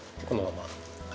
このまま。